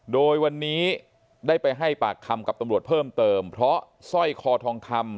โดยวันนี้ได้ไปให้ปากคำกับตำรวจเพิ่มเติมเพราะสร้อยคอทองคำ